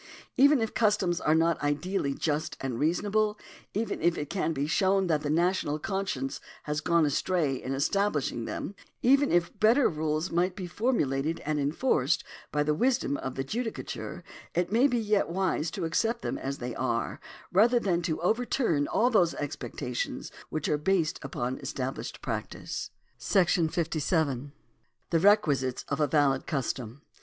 Even if customs are not ideally just and reasonable, even if ii can be shown that the national conscience has gone astray in estab lishing them, even if better rules might be formulated and enforced by the wisdom of the judicature, it may yet be wise to accept them as they are, rather than to overturn K 146 CUSTOM [§ 56 all those expectations which are based upon established practice. § 57. The Requisites of a Valid Custom.